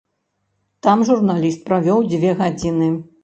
Там журналіст правёў дзве гадзіны.